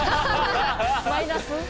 マイナス？